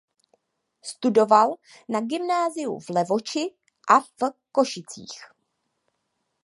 Studoval na gymnáziu v Levoči a v Košicích.